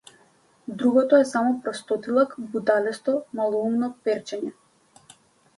Другото е само простотилак, будалесто, малоумно перчење.